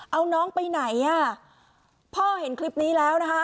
เอาน้องไปไหนอ่ะพ่อเห็นคลิปนี้แล้วนะคะ